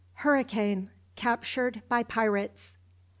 HURRICANE CAPTURED BY PIRATES.